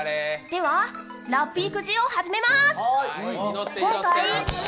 では、ラッピーくじを始めます。